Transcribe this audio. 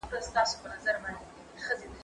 کېدای سي واښه ګډه وي!!